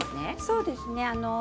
そうですね。